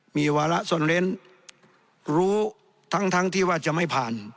มีวาระซ่อนเร้นรู้ทั้งที่ว่าจะไม่ผ่าน